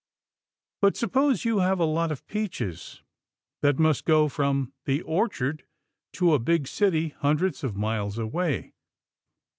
But suppose you have a lot of peaches that must go from the orchard to a big city hundreds of miles away.